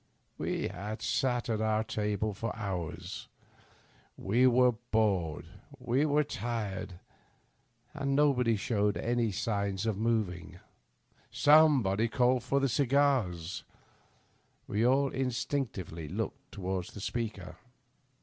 We had sat at our table for hours ; we were bored, we were tired, and no body showed signs of moving. Somebody called for cigars. We all instinctively looked toward the speaker.